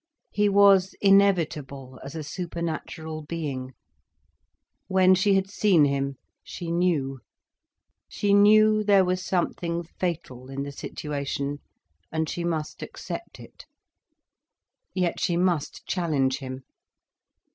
He was inevitable as a supernatural being. When she had seen him, she knew. She knew there was something fatal in the situation, and she must accept it. Yet she must challenge him.